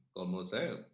kalau menurut saya